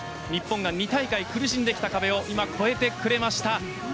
日本が２大会苦しんできた壁を今、越えてくれました。